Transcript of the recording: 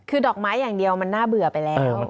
คือดอกไม้อย่างเดียวมันน่าเบื่อไปแล้ว